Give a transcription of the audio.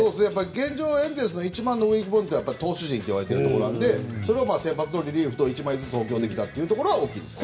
現状、エンゼルスの一番のウィークポイントは投手陣と言われているのでそれを先発とリリーフと１枚ずつ補強できたところは大きいですね。